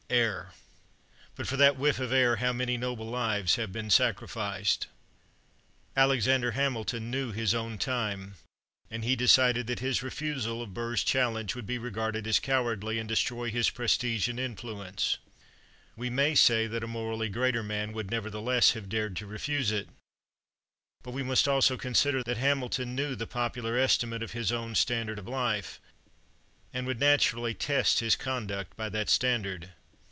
Air." But for that whiff of air how many noble lives have been sacrificed! Alexander Hamilton knew his own time, and he decided that his refusal of Burr's challenge would be regarded as cowardly, and destroy his prestige and influence. We may say that a morally greater man would nevertheless have dared to refuse it, but we must also consider that Hamilton knew the popular estimate of his own standard of life, and would naturally test his conduct by that standard.